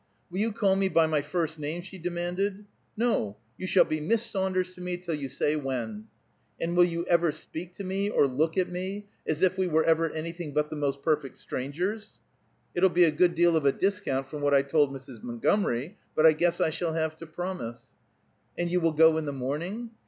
"Will you call me by my first name?" she demanded. "No. You shall be Miss Saunders to me till you say when." "And will you ever speak to me, or look at me, as if we were ever anything but the most perfect strangers?" "It'll be a good deal of a discount from what I told Mrs. Montgomery, but I guess I shall have to promise." "And you will go in the morning?"